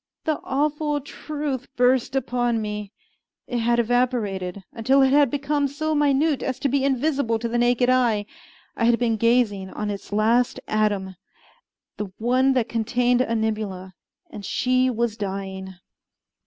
The awful truth burst upon me; it had evaporated, until it had become so minute as to be invisible to the naked eye; I had been gazing on its last atom, the one that contained Animula and she was dying!